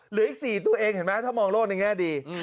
เหลืออีก๔ตัวเองเห็นไหมถ้ามองโลกในแง่ดี